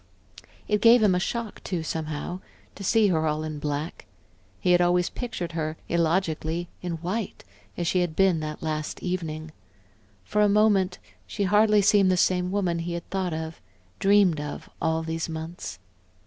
It gave him a shock, too, somehow to see her all in black; he had always pictured her, illogically, in white as she had been that last evening.... For a moment she hardly seemed the same woman he had thought of, dreamed of, all these months.